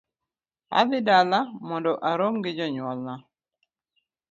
Adhi dala mondo arom gi jonyuolna